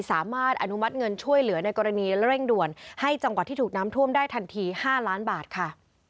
สามารถอนุมัติเงินช่วยเหลือในกรณีเร่งด่วนให้จังหวัดที่ถูกน้ำท่วมได้ทันที๕ล้านบาทค่ะ